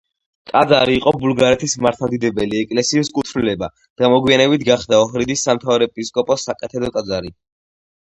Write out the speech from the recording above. ტაძარი იყო ბულგარეთის მართლმადიდებელი ეკლესიის კუთვნილება და მოგვიანებით გახდა ოჰრიდის სამთავარეპისკოპოსოს საკათედრო ტაძარი.